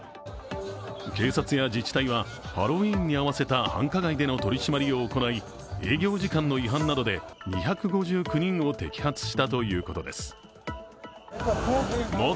警察や自治体はハロウィーンに合わせた繁華街での取り締まりを行い、営業時間の違反などで２５９人を摘発したということです。